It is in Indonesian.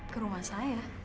ke rumah saya